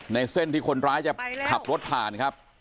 เส้นที่คนร้ายจะขับรถผ่านครับ